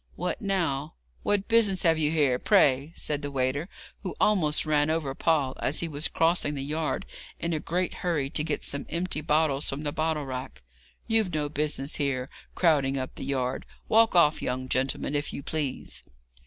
'What now? What business have you here, pray?' said a waiter, who almost ran over Paul as he was crossing the yard in a great hurry to get some empty bottles from the bottle rack. 'You've no business here, crowding up the yard. Walk off, young gentleman, if you please.'